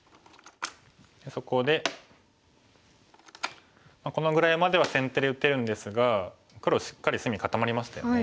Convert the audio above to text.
そこでこのぐらいまでは先手で打てるんですが黒しっかり隅固まりましたよね。